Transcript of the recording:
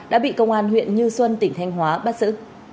đã bị công an huyện như xuân tỉnh thanh hóa bắt giữ